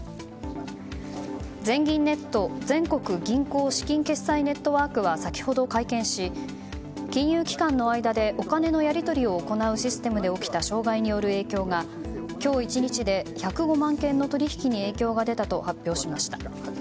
全銀ネット全国銀行資金決済ネットワークは先ほど会見し、金融機関の間でお金のやり取りを行うシステムで起きた障害の影響が今日１日で１０５万件の取引に影響が出たと発表しました。